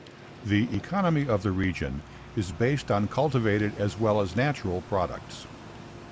The economy of the region is based on cultivated as well as natural products.